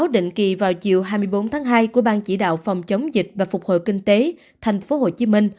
một mươi bốn tháng hai của ban chỉ đạo phòng chống dịch và phục hội kinh tế tp hcm